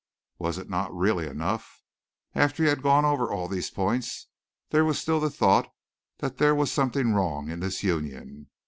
Was it not really enough? After he had gone over all these points, there was still the thought that there was something wrong in this union.